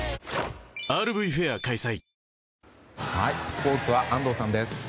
スポーツは安藤さんです。